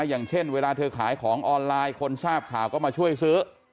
อย่างเช่นเวลาเธอขายของออนไลน์คนทราบข่าวก็มาช่วยซื้อ